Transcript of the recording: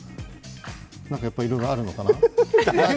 なんか、やっぱりいろいろあるのかな。